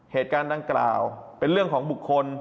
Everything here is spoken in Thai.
เหตุการณ์ดังกล่าวเป็นเรื่องของบุคคล